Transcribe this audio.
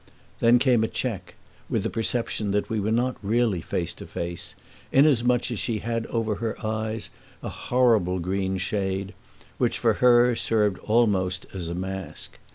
Then came a check, with the perception that we were not really face to face, inasmuch as she had over her eyes a horrible green shade which, for her, served almost as a mask.